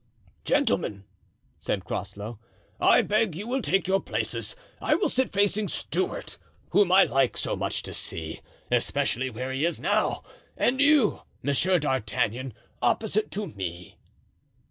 "Gentlemen," said Groslow, "I beg you will take your places. I will sit facing Stuart, whom I like so much to see, especially where he now is, and you, Monsieur d'Artagnan, opposite to me."